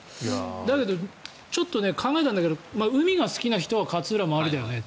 だけど、ちょっと考えたんだけど海が好きな人は勝浦もありだよね。